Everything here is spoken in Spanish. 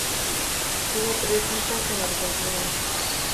Tuvo tres hijos, en Argentina.